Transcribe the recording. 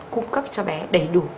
cung cấp cho bé đầy đủ